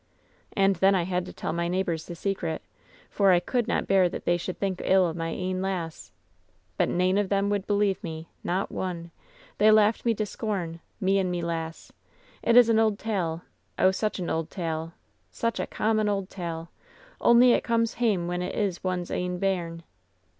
"And then I had to tell my neighbors the secret, for I could not bear they should think ill o' my ain lass. But nane o' them would believe me. Not one. They laughed me to scorn — ^me and my lass. It is an old tale — oh, such an old tale, such a common old tale! Only it comes hame when it's one's ain bairn.